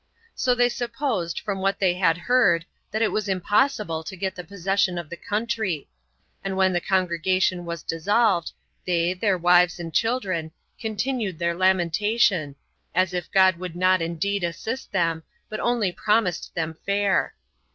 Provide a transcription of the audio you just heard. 3. So they supposed, from what they had heard, that it was impossible to get the possession of the country. And when the congregation was dissolved, they, their wives and children, continued their lamentation, as if God would not indeed assist them, but only promised them fair.